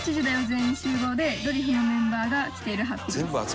全員集合』でドリフのメンバーが着ている法被です。